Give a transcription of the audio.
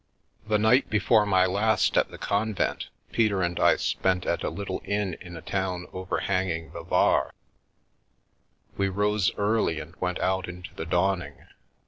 The night before my last at the convent Peter and I spent at a little inn in a town overhanging the Var; we rose early and went out into the dawning.